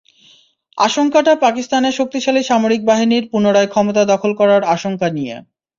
আশঙ্কাটা পাকিস্তানের শক্তিশালী সামরিক বাহিনীর পুনরায় ক্ষমতা দখল করার আশঙ্কা নিয়ে।